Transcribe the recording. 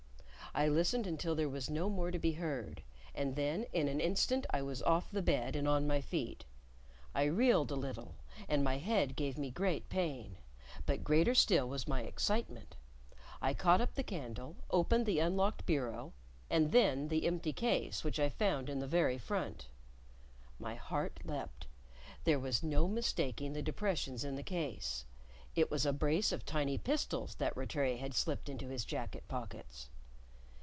I listened until there was no more to be heard, and then in an instant I was off the bed and on my feet. I reeled a little, and my head gave me great pain, but greater still was my excitement. I caught up the candle, opened the unlocked bureau, and then the empty case which I found in the very front. My heart leapt; there was no mistaking the depressions in the case. It was a brace of tiny pistols that Rattray had slipped into his jacket pockets.